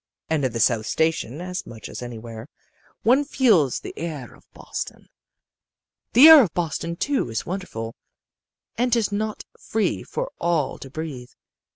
"And in the South Station, as much as anywhere, one feels the air of Boston. "The air of Boston, too, is wonderful and 'tis not free for all to breathe.